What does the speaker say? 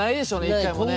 １回もね。